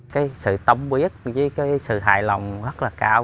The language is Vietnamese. cái sự tâm quyết với cái sự hài lòng rất là cao